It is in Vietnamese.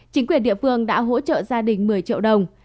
chính quyền địa phương đã hỗ trợ gia đình một mươi triệu đồng